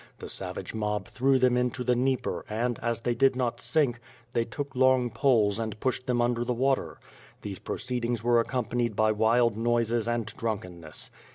The savage mob threw them into the Dnieper and, as they did not sink, they took long poles and pushed them under the water. These proceedings were accompanied by wild noises and drunkenness.